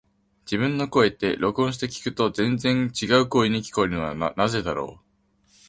自分の声って、録音して聞くと全然違う声に聞こえるのはなぜだろう。